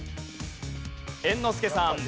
猿之助さん。